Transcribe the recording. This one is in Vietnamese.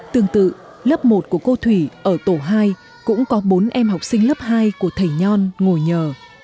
tương tự lớp một của cô thủy ở tổ hai cũng có bốn em học sinh lớp hai của thầy nhon ngồi nhờ